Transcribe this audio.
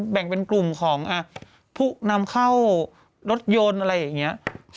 แบ่งเป็นกลุ่มของผู้นำเข้ารถยนต์อะไรอย่างนี้